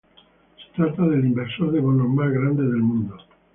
Se trata del inversor de bonos más grande del mundo.